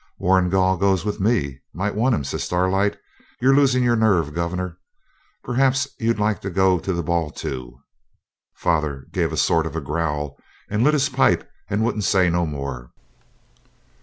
'Warrigal goes with me might want him,' says Starlight. 'You're losing your nerve, governor. Perhaps you'd like to go to the ball too?' Father gave a sort of growl, and lit his pipe and wouldn't say no more.